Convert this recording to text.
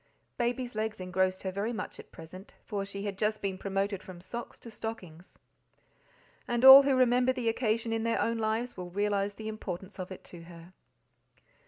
Baby's legs engrossed her very much at present, for she had just been promoted from socks to stockings, and all who remember the occasion in their own lives will realize the importance of it to her.